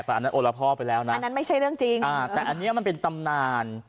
แต่อันนั้นโอละพ่อไปแล้วนะอันนั้นไม่ใช่เรื่องจริงอ่าแต่อันนี้มันเป็นตำนาน